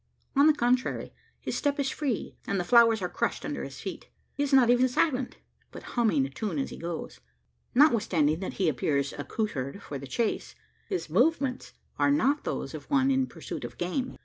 On the contrary, his step is free, and the flowers are crushed under his feet. He is not even silent; but humming a tune as he goes. Notwithstanding that he appears accoutred for the chase, his movements are not those of one in pursuit of game.